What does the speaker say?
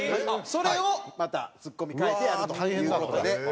それをまたツッコミ代えてやるという事で。